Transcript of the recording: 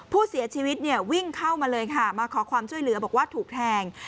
ผู้เสียชีวิตเนี่ยวิ่งเข้ามาเลยค่ะมาขอความช่วยเหลือบอกว่าถูกแทง